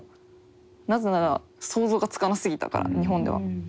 なぜなら想像がつかなすぎたから日本では。